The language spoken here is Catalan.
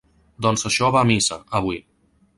Doncs això va a missa, avui.